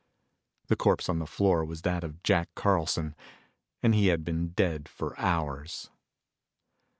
The corpse on the floor was that of Jack Carlson, and he had been dead for hours.